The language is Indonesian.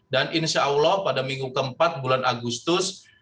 dan insya allah pada minggu ke empat bulan agustus